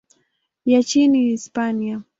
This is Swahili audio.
ya nchini Hispania.